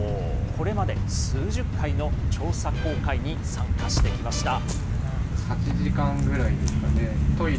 これまで数十回の調査航海に参加してきました。